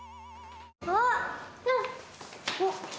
あっ！